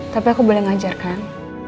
tapi aku boleh ngajarkan